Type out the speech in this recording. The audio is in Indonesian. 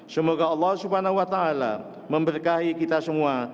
semoga allah swt memberkahi kita semua